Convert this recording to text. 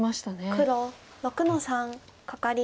黒６の三カカリ。